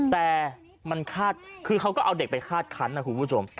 แต่มันคาดคือเขาก็เอาเด็กไปคาดคันนะคุณผู้ชม